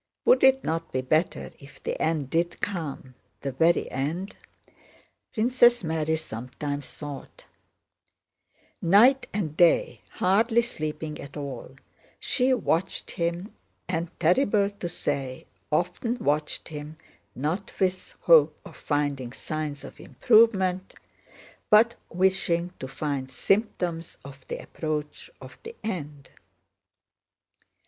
"Would it not be better if the end did come, the very end?" Princess Mary sometimes thought. Night and day, hardly sleeping at all, she watched him and, terrible to say, often watched him not with hope of finding signs of improvement but wishing to find symptoms of the approach of the end.